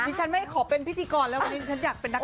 ฉันไม่ขอเป็นพิธีกรแล้ววันนี้ฉันอยากเป็นนัก